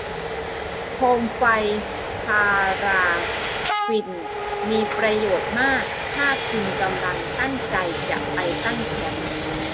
โคมไฟพาราฟินมีประโยชน์มากถ้าคุณกำลังตั้งใจจะไปตั้งแคมป์